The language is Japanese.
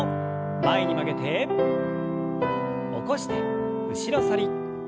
前に曲げて起こして後ろ反り。